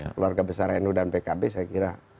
keluarga besar nu dan pkb saya kira